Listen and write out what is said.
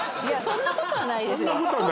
そんなことはないです